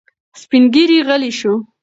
سپین ږیری غلی شو.